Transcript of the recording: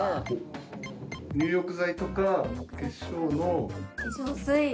入浴剤とか化粧の。